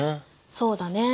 そうだね。